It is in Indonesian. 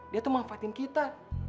dia tuh manfaatin kita